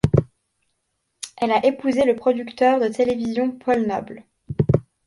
Elle a épousé le producteur de télévision Paul Noble.